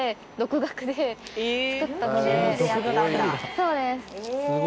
そうです。